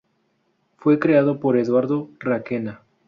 Fue creado por Eduardo Requena.